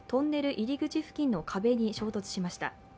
入口付近の壁に衝突しました。